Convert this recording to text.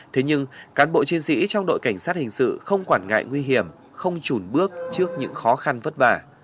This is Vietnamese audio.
thế nhưng cán bộ chiến sĩ trong đội cảnh sát hình sự không quản ngại nguy hiểm không trùn bước trước những khó khăn vất vả